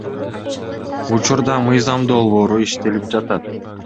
Учурда мыйзам долбоору иштелип жатат.